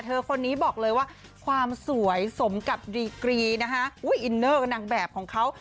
คนนี้บอกเลยว่าความสวยสมกับดีกรีนะฮะอุ้ยอินเนอร์กับนางแบบของเขา